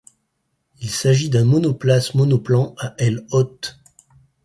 Il s'agit d'un monoplace monoplan à ailes hautes.